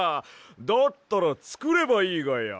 だったらつくればいいがや。